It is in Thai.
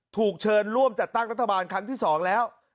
ถูกเชิญร่วมจัดตั้งรัฐบาลครั้งที่๒แล้ว